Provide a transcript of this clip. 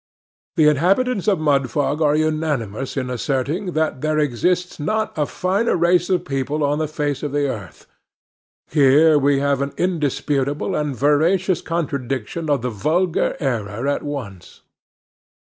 The inhabitants of Mudfog are unanimous in asserting that there exists not a finer race of people on the face of the earth; here we have an indisputable and veracious contradiction of the vulgar error at once.